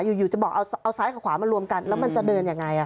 อยู่จะบอกเอาซ้ายกับขวามารวมกันแล้วมันจะเดินยังไง